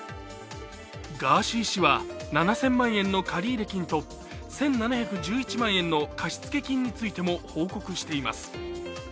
ガーシー氏は７０００万円の借入金と１７１１万円の貸付金についても報告しています。